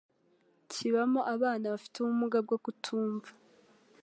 kibamo abana bafite ubumuga bwo kutumva